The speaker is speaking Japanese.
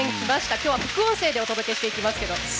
今日は副音声でお伝えしていきますが。